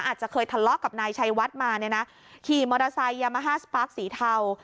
อาจจะเคยทะเลาะกับนายชัยวัดมาเนี่ยนะขี่มอเตอร์ไซค์ยามาฮ่าสปาร์คสีเทา